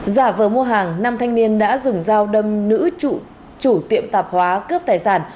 giả vờ mua hàng năm thanh niên đã dùng dao đâm nữ chủ tiệm tạp hóa cướp tài sản